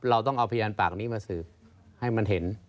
เราต้องเอาพยานปากนี้มาสืบให้มันเห็น